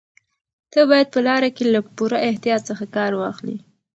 ته باید په لاره کې له پوره احتیاط څخه کار واخلې.